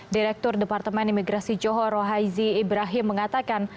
direktur departemen imigrasi joho rohaizi ibrahim mengatakan